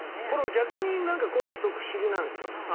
逆になんかこういうのすごくフシギなんですよ。